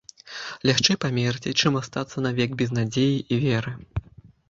Лягчэй памерці, чым астацца навек без надзеі і веры!